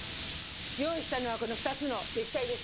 用意したのはこの２つの液体です。